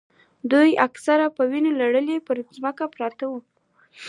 دوه عسکر په وینو لړلي پر ځمکه پراته وو